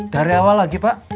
dari awal lagi pak